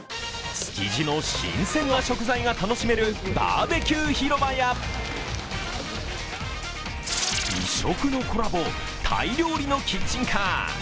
築地の新鮮な食材が楽しめるバーベキュー広場や異色のコラボ、タイ料理のキッチンカー。